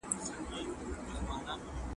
ټولنيزي پيښي تل يو شان پايلي نه لري.